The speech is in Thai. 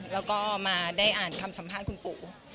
แล้วก็มาได้อ่านคำสัมภาษณ์คุณปู่